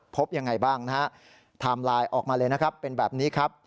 พบยังไงบ้างนะฮะไทม์ไลน์ออกมาเลยนะครับเป็นแบบนี้ครับ